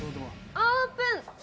オープン！